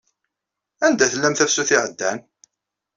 Anda tellam tafsut iɛeddan?